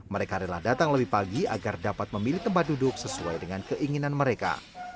mereka rela datang lebih pagi agar dapat memilih tempat duduk sesuai dengan keinginan mereka